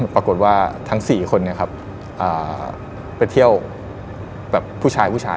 ปรากฏว่าทั้งสี่คนไปเที่ยวแบบผู้ชาย